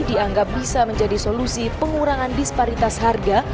dianggap bisa menjadi solusi pengurangan disparitas harga